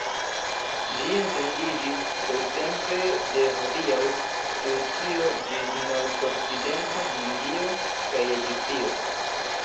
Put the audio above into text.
Ĝi etendiĝis kelktempe de hodiaŭa Turkio ĝis nordokcidenta Hindio kaj Egiptio.